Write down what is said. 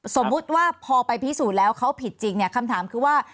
สมมุติว่าพอไปพิสูจน์แล้วเขาผิดจริงเนี่ยคำถามคือว่า